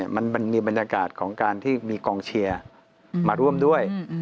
มันมีบรรยากาศของการที่มีกองเชียร์มาร่วมด้วย